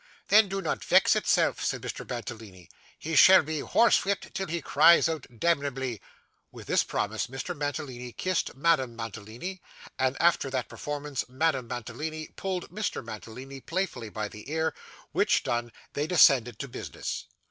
'Then do not vex itself,' said Mr. Mantalini; 'he shall be horse whipped till he cries out demnebly.' With this promise Mr. Mantalini kissed Madame Mantalini, and, after that performance, Madame Mantalini pulled Mr. Mantalini playfully by the ear: which done, they descended to business.